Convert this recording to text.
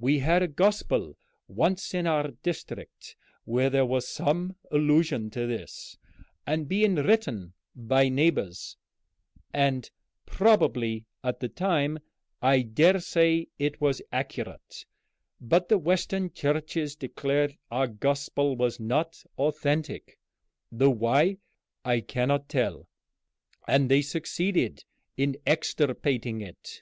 We had a gospel once in our district where there was some allusion to this, and being written by neighbors, and probably at the time, I dare say it was accurate; but the Western Churches declared our gospel was not authentic, though why I cannot tell, and they succeeded in extirpating it.